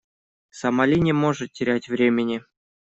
Сомали не может терять времени.